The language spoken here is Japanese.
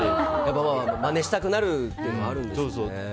まねしたくなるっていうのがあるんですかね。